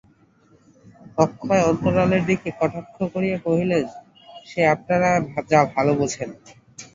অক্ষয় অন্তরালের দিকে কটাক্ষ করিয়া কহিলেন সে আপনারা যা ভালো বোঝেন!